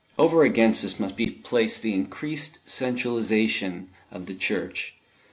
Over against this must be placed the increased centralisation of the Church.